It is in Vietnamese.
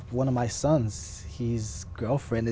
cộng đồng rất rất